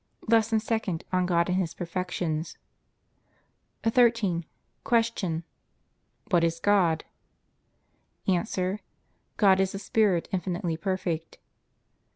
LESSON SECOND ON GOD AND HIS PERFECTIONS 13. Q. What is God? A. God is a spirit infinitely perfect.